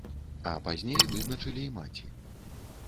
А пазней вызначылі і маці.